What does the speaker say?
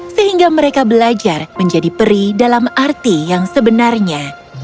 sehingga mereka belajar menjadi peri dalam arti yang sebenarnya